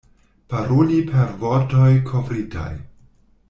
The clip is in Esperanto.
Paroli per vortoj kovritaj.